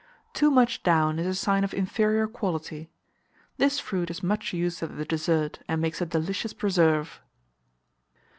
Too much down is a sign of inferior quality. This fruit is much used at the dessert, and makes a delicious preserve.